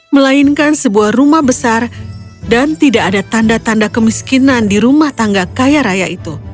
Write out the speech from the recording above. melainkan sebuah rumah besar dan tidak ada tanda tanda kemiskinan di rumah tangga kaya raya itu